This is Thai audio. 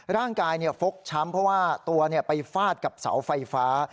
ร่างกายเนี่ยฟกช้ำเพราะว่าตัวเนี่ยไปฟาดกับเสาไฟฟ้า